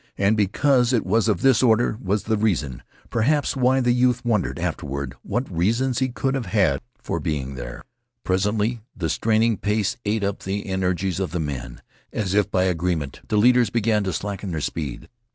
And because it was of this order was the reason, perhaps, why the youth wondered, afterward, what reasons he could have had for being there. Presently the straining pace ate up the energies of the men. As if by agreement, the leaders began to slacken their speed.